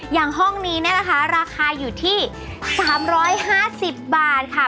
อย่างห้องนี้เนี้ยนะคะราคาอยู่ที่สามร้อยห้าสิบบาทค่ะ